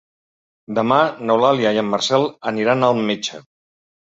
Demà n'Eulàlia i en Marcel aniran al metge.